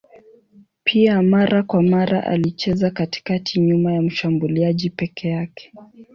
Pia mara kwa mara alicheza katikati nyuma ya mshambuliaji peke yake.